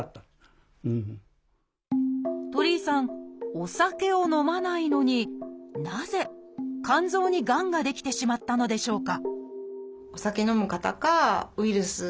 お酒を飲まないのになぜ肝臓にがんが出来てしまったのでしょうか